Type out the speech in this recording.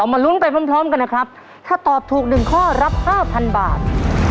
มาลุ้นไปพร้อมกันนะครับถ้าตอบถูก๑ข้อรับ๕๐๐๐บาท